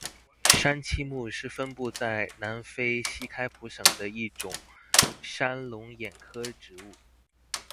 山栖木是分布在南非西开普省的一种山龙眼科植物。